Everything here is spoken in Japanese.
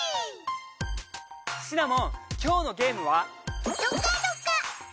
シナモン今日のゲームは？